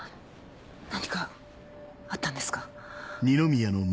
何かあったんですか？